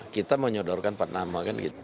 kita menyodorkan empat nama